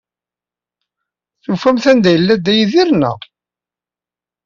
Tufamt-d anda yella Dda Yidir, naɣ?